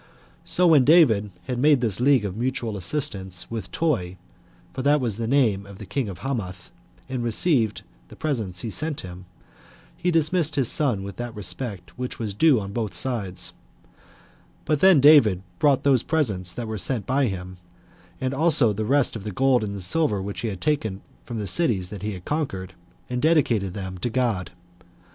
So when David had made this league of mutual assistance with Toi, [for that was the name of the king of Hamath,] and had received the presents he sent him, he dismissed his son with that respect which was due on both sides; but then David brought those presents that were sent by him, as also the rest of the gold and silver which he had taken of the cities whom he had conquered, and dedicated them to God.